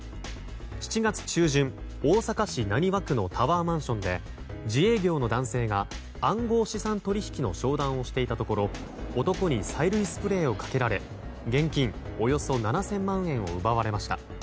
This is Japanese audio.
７月中旬、大阪市浪速区のタワーマンションで自営業の男性が、暗号資産取引の商談をしていたところ男に催涙スプレーをかけられ現金およそ７０００万円を奪われました。